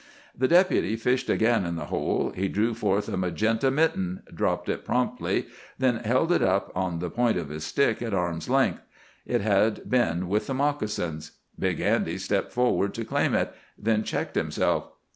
The Deputy fished again in the hole. He drew forth a magenta mitten, dropped it promptly, then held it up on the point of his stick at arm's length. It had been with the moccasins. Big Andy stepped forward to claim it, then checked himself.